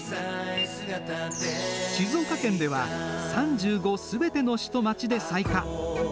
静岡県では３５すべての市と町で採火。